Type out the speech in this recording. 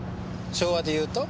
昭和でいうと？